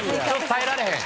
耐えられへん？